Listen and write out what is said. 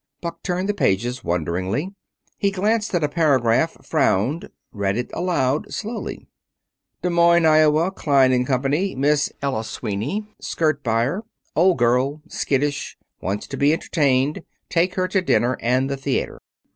Buck turned the pages wonderingly. He glanced at a paragraph, frowned, read it aloud, slowly. "Des Moines, Iowa, Klein & Company. Miss Ella Sweeney, skirt buyer. Old girl. Skittish. Wants to be entertained. Take her to dinner and the theater."